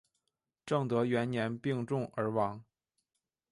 正德元年病重而亡。